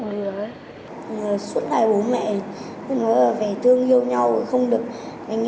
đúng không ạ